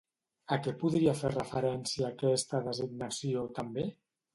A què podria fer referència aquesta designació, també?